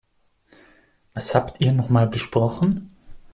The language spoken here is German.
Was habt ihr noch mal besprochen?